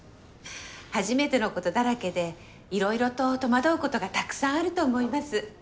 初めてのことだらけでいろいろと戸惑うことがたくさんあると思います。